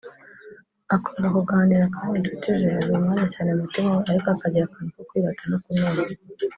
akunda kuganira kandi inshuti ze aziha umwanya cyane mu mutima we ariko agira akantu ko kwirata no kunena